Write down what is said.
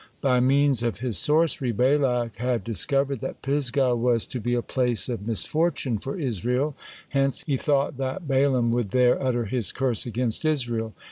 By means of his sorcery, Balak had discovered that Pisgah was to be a place of misfortune for Israel, hence he thought the Balaam would there utter his curse against Israel.